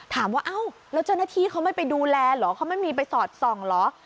ถามว่าเอ้าแล้วเจ้าหน้าที่เขาไม่ไปดูแลเหรอเขาไม่มีไปสอดส่องเหรอ